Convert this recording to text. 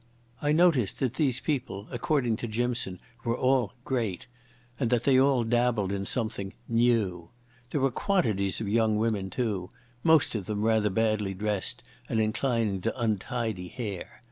I noticed that these people, according to Jimson, were all "great", and that they all dabbled in something "new". There were quantities of young women, too, most of them rather badly dressed and inclining to untidy hair.